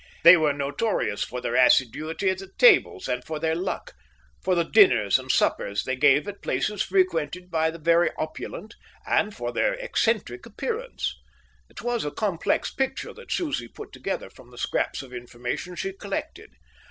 They were notorious for their assiduity at the tables and for their luck, for the dinners and suppers they gave at places frequented by the very opulent, and for their eccentric appearance. It was a complex picture that Susie put together from the scraps of information she collected.